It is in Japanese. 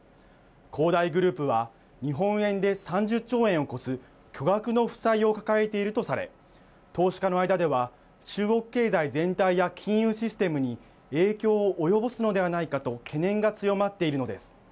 恒大グループは日本円で３０兆円を超す巨額の負債を抱えているとされ投資家の間では中国経済全体や金融システムに影響を及ぼすのではないかと懸念が強まっているのです。